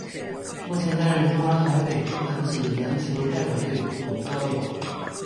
目前担任中华台北男子篮球代表队总教练。